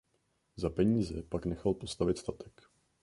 Za peníze pak nechal postavit statek.